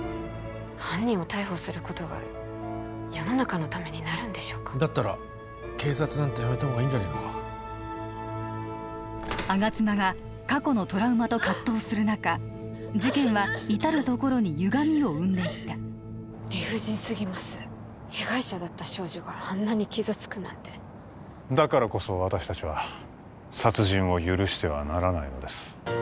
犯人を逮捕することが世の中のためになるんでしょうかだったら警察なんて辞めた方がいいんじゃねえのか吾妻が過去のトラウマと葛藤する中事件は至るところにゆがみを生んでいった理不尽すぎます被害者だった少女があんなに傷つくなんてだからこそ私達は殺人を許してはならないのです